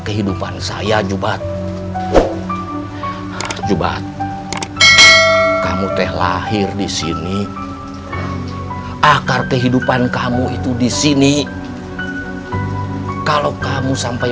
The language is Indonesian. kehidupan saya jumat jumat kamu teh lahir di sini akar kehidupan kamu itu disini kalau kamu sampai